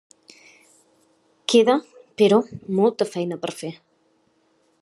Queda, però, molta feina per fer.